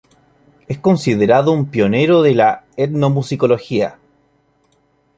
Es considerado un pionero de la etnomusicología.